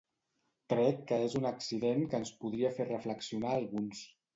Crec que és un accident que ens podria fer reflexionar a alguns.